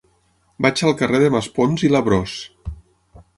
Vaig al carrer de Maspons i Labrós.